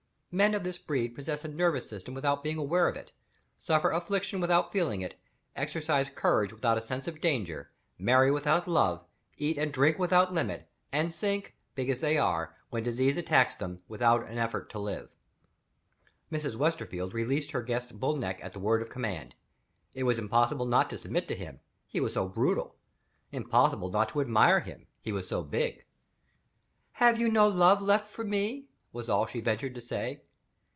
Men of this breed possess a nervous system without being aware of it; suffer affliction without feeling it; exercise courage without a sense of danger; marry without love; eat and drink without limit; and sink (big as they are), when disease attacks them, without an effort to live. Mrs. Westerfield released her guest's bull neck at the word of command. It was impossible not to submit to him he was so brutal. Impossible not to admire him he was so big. "Have you no love left for me?" was all she ventured to say.